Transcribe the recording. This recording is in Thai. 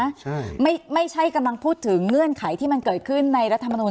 ใช่ไม่ใช่กำลังพูดถึงเงื่อนไขที่มันเกิดขึ้นในรัฐมนุน